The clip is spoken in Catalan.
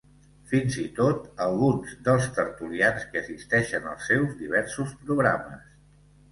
Fins i tot alguns dels tertulians que assisteixen als seus diversos programes.